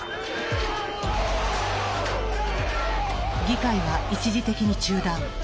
議会は一時的に中断。